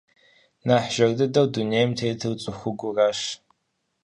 Нэхъ жэр дыдэу дунейм тетыр цӀыхугуращ.